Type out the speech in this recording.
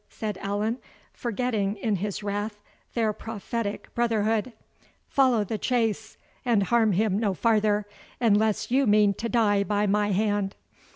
said Allan, forgetting, in his wrath, their prophetic brotherhood, "follow the chase, and harm him no farther, unless you mean to die by my hand."